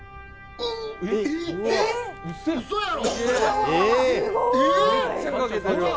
うそやろ！？